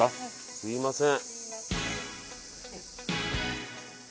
すみません。